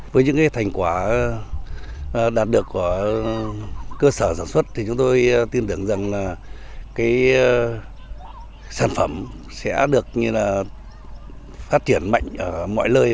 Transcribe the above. với những thành quả đạt được của cơ sở sản xuất thì chúng tôi tin tưởng rằng sản phẩm sẽ được phát triển mạnh ở mọi nơi